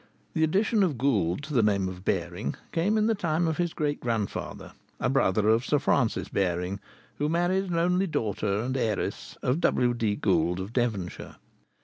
The addition of Gould to the name of Baring came in the time of his great grandfather, a brother of Sir Francis Baring, who married an only daughter and heiress of W.D. Gould of Devonshire.